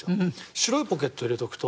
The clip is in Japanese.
白いポケットに入れとくと。